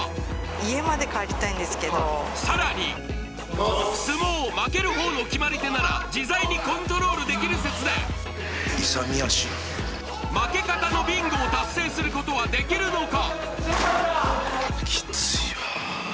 家まで帰りたいんですけどさらに相撲負ける方の決まり手なら自在にコントロールできる説で勇み足負け方のビンゴを達成することはできるのか？